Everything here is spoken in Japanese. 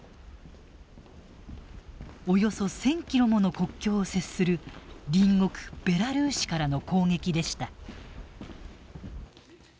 およそ１，０００キロもの国境を接する隣国ベラルーシからの攻撃でした。